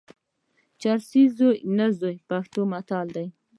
چرسي زوی نه زوی، پښتو متل دئ.